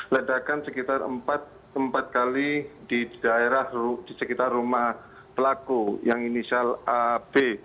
ledakan sekitar empat kali di daerah di sekitar rumah pelaku yang inisial ab